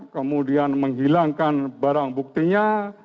kemudian menghilangkan barang buktinya